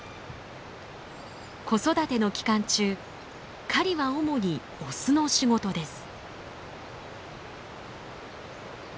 子育ての期間中狩りは主にオスの仕事です。